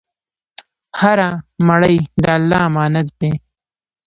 هر مړی د الله امانت دی.